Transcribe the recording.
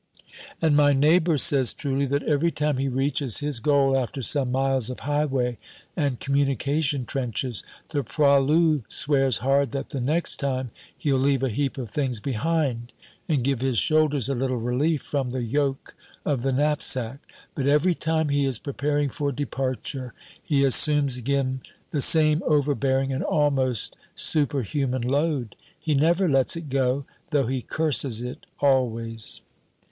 And my neighbor says truly that every time he reaches his goal after some miles of highway and communication trenches, the poilu swears hard that the next time he'll leave a heap of things behind and give his shoulders a little relief from the yoke of the knapsack. But every time he is preparing for departure, he assumes again the same overbearing and almost superhuman load; he never lets it go, though he curses it always.